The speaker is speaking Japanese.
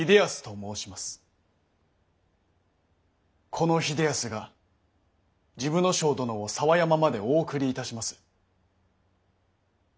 この秀康が治部少輔殿を佐和山までお送りいたします。